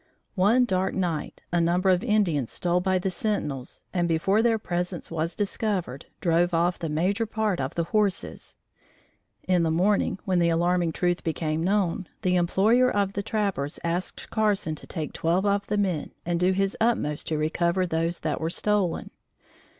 One dark night a number of Indians stole by the sentinels and before their presence was discovered, drove off the major part of the horses. In the morning, when the alarming truth became known, the employer of the trappers asked Carson to take twelve of the men and do his utmost to recover those that were stolen.